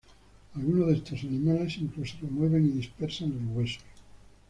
Algunos de estos animales incluso remueven y dispersan los huesos.